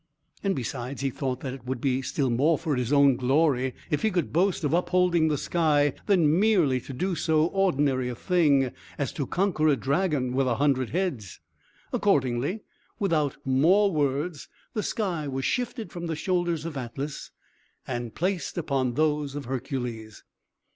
And, besides, he thought that it would be still more for his own glory if he could boast of upholding the sky, than merely to do so ordinary a thing as to conquer a dragon with a hundred heads. Accordingly, without more words, the sky was shifted from the shoulders of Atlas and placed upon those of Hercules.